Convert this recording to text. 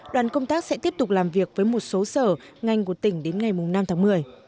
đoàn công tác sẽ tiếp tục làm việc với một số sở ngành của tỉnh đến ngày năm tháng một mươi